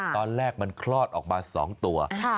ตอนแรกมันคลอดออกมา๒ตัว